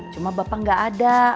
cuma bapak gak ada